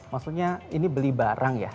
maksudnya ini beli barang ya